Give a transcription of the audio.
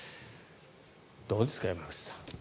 どうですか、山口さん。